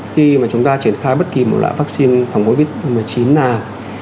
khi mà chúng ta triển khai bất kỳ một loại vaccine phòng covid một mươi chín nào